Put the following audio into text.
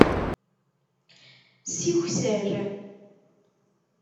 Sikser.